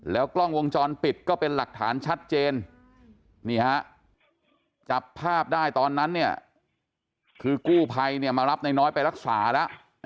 แล้วกล้องวงจรปิดก็เป็นหลักฐานชัดเจนจับภาพได้ตอนนั้นคือกู้ภัยมารับน้อยไปรักษาแล้ว